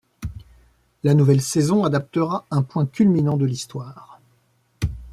La nouvelle saison adaptera un point culminant de l'histoire.